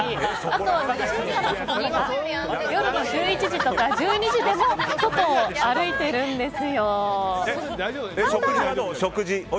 あとは夜の１１時とか１２時でも外を歩いているんです。